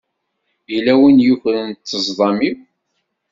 Yella win i yukren ṭṭezḍam-iw.